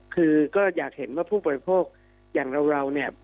คือก็อยากเห็นว่าผู้บริโภคอย่างเราเนี่ย